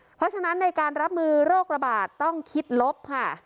เพราะฉะนั้นในการรับมือโรคระบาดต้องคิดลบค่ะ